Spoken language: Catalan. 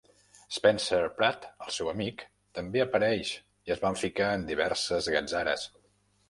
Spencer Pratt, el seu amic, també apareix i es van ficar en diverses gatzares.